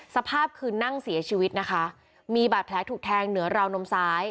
สภาพคือนั่งเสียชีวิตนะคะมีบาดแผลถูกแทงเหนือราวนมซ้าย